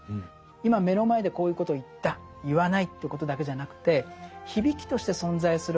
今目の前でこういうことを言った言わないということだけじゃなくて響きとして存在する